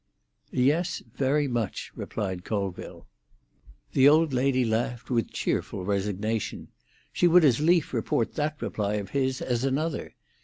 "Yes, very much," replied Colville. The old lady laughed with cheerful resignation. She would as lief report that reply of his as another.